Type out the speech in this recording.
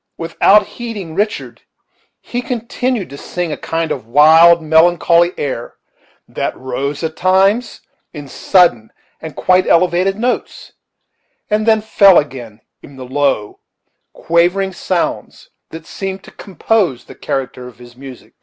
Without heeding Richard, he continued to sing a kind of wild, melancholy air, that rose, at times, in sudden and quite elevated notes, and then fell again into the low, quavering sounds that seemed to compose the character of his music.